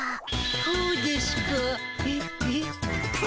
こうですか？